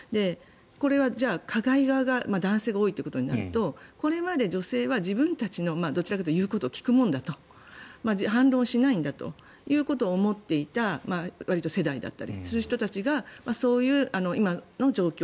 これは加害側が男性が多いということになるとこれまで女性はどちらかというと自分たちの言うことを聞くものだと反論しないんだということを思っていたわりと世代だったりする人たちがそういう今の状況